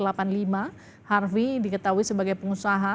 dan lima harvie diketahui sebagai pengusaha